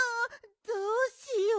どうしよう。